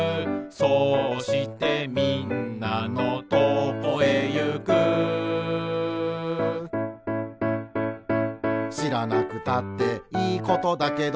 「そうしてみんなのとこへゆく」「しらなくたっていいことだけど」